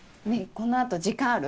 このあと時間ある？